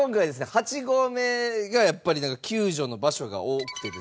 ８合目がやっぱり救助の場所が多くてですね。